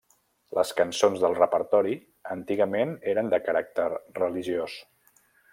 Les cançons del repertori, antigament, eren de caràcter religiós.